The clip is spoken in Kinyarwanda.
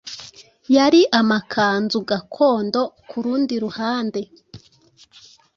yari amakanzu gakondo. Ku rundi ruhande,